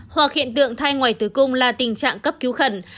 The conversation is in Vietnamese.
hoặc hiện tượng thai ngoài tử cung là tình trạng cấp cứu khẩn